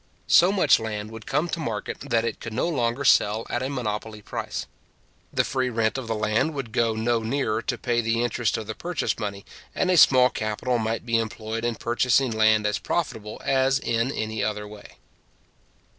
So much land would come to market, that it could no longer sell at a monopoly price. The free rent of the land would go no nearer to pay the interest of the purchase money, and a small capital might be employed in purchasing land as profitable as in any other way.